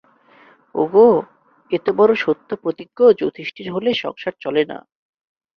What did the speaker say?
ওগো, এতবড় সত্যপ্রতিজ্ঞ যুধিষ্ঠির হলে সংসার চলে না।